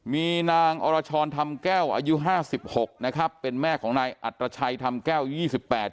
มีนางอรชรธรรมแก้วอายุห้าสิบหกนะครับเป็นแม่ของนายอัตรชัยทำแก้วยี่สิบแปด